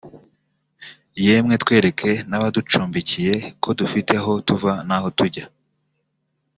yemwe twereke n’abaducumbikiye ko dufite aho tuva n’aho tujya